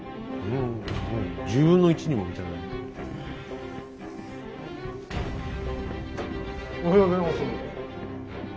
おはようございます。